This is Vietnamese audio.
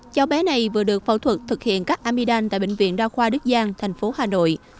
cháu bé này vừa được phẫu thuật thực hiện cắt amidam tại bệnh viện đa khoa đức giang thành phố hà nội